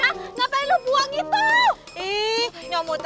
nggak ada buktinya nyomut